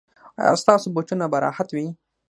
ایا ستاسو بوټونه به راحت وي؟